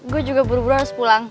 gue juga buru buru harus pulang